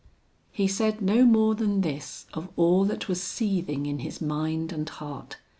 He said no more than this of all that was seething in his mind and heart.